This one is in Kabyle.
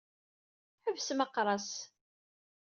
Ḥebsem aqras.